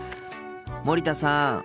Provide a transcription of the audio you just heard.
森田さん。